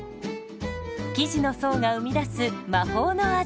生地の層が生み出す魔法の味。